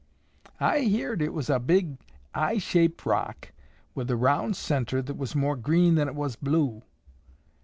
"I heerd it was a big eye shaped rock with a round center that was more green than it was blue.